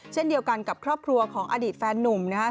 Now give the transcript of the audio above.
เช่นเดียวกันกับครอบครัวของอดีตแฟนนุ่มนะครับ